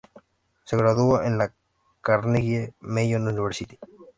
Se graduó en la Carnegie Mellon University.